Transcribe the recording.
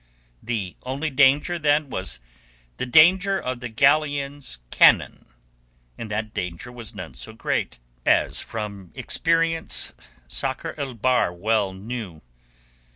The only danger, then, was the danger of the galleon's cannon, and that danger was none so great as from experience Sakr el Bahr well knew.